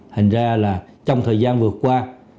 hình ra là trong thời gian vừa qua